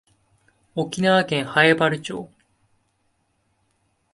沖縄県南風原町